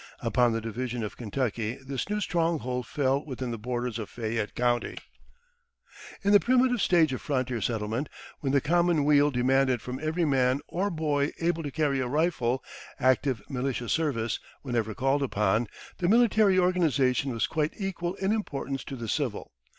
Upon the division of Kentucky this new stronghold fell within the borders of Fayette County. In the primitive stage of frontier settlement, when the common weal demanded from every man or boy able to carry a rifle active militia service whenever called upon, the military organization was quite equal in importance to the civil.